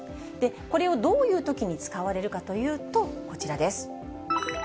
これをどういうときに使われるかというと、こちらです。